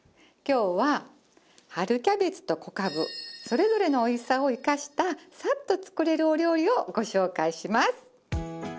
今日は春キャベツと小かぶそれぞれのおいしさを生かしたさっと作れるお料理をご紹介します。